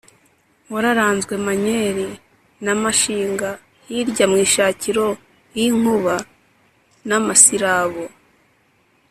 Wararanzwe Manyeli ya Mashinga hirya mu ishakiro ly’inkuba n’ amasirabo,